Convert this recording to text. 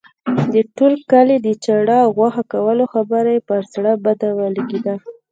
د ټول کلي د چاړه او غوښه کولو خبره یې پر زړه بد ولګېده.